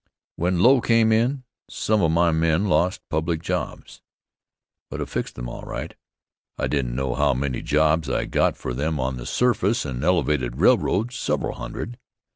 When Low came in, some of my men lost public jobs, but I fixed them all right. I don't know how many jobs I got for them on the surface and elevated railroads several hundred.